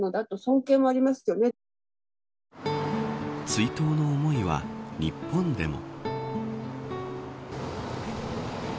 追悼の思いは日本でも。